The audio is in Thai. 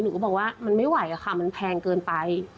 ก็บอกว่ามันไม่ไหวอะค่ะมันแพงเกินไป